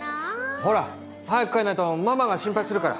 ほら早く帰らないとママが心配するから。